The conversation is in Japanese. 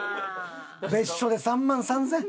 別所で３万３０００円。